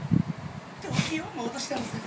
ときをもどしたのさ！